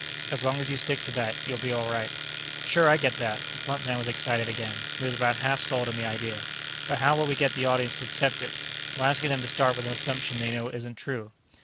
As long as you stick to that, you're all right." "Sure. I get that." The plump man was excited again; he was about half sold on the idea. "But how will we get the audience to accept it? We're asking them to start with an assumption they know isn't true."